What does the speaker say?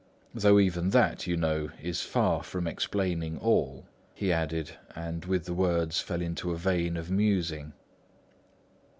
Though even that, you know, is far from explaining all," he added, and with the words fell into a vein of musing.